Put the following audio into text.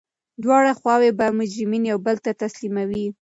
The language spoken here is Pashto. دواړه خواوي به مجرمین یو بل ته تسلیموي.